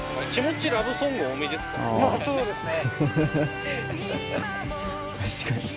まあそうですね。